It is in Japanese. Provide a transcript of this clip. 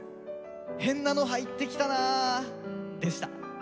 変なの入ってきたな』でした。